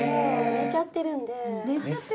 寝ちゃってるの？